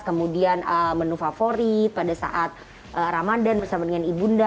kemudian menu favorit pada saat ramadan bersama dengan ibu nda